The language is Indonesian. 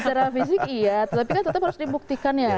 secara fisik iya tapi kan tetap harus dibuktikan ya